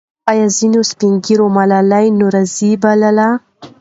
آیا ځینې سپین ږیري ملالۍ نورزۍ بولي؟